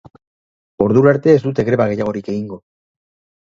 Ordura arte ez dute greba gehiagorik egingo.